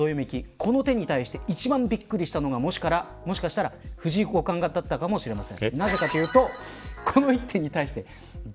この手に対して一番びっくりしたのがもしかしたら藤井五冠だったかもしれません。